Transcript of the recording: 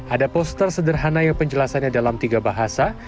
ada poster sederhana yang penjelasannya dalam tiga bahasa